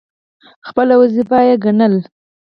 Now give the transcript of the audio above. خپله وظیفه ګڼله.